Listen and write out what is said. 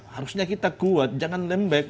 harusnya kita kuat jangan lembek